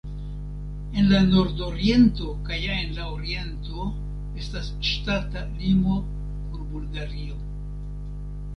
En la nordoriento kaj en la oriento estas ŝtata limo kun Bulgario.